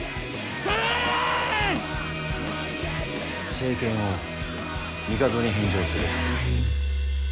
政権を帝に返上する。